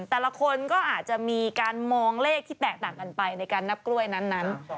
แต่ละคนก็อาจจะมีการมองเลขที่แตกต่างกันไปในการนับกล้วยนั้น